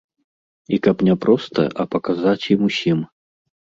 І каб не проста, а паказаць ім усім.